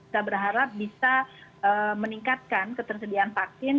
kita berharap bisa meningkatkan ketersediaan vaksin